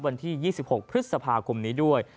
วันที่๒๖พฤษภาคมนี้ด้วย